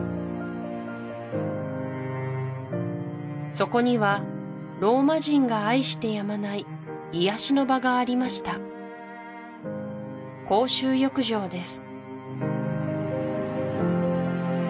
そこにはローマ人が愛してやまない癒やしの場がありました公衆浴場です